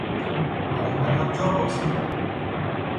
برای من هم جا باز کنید!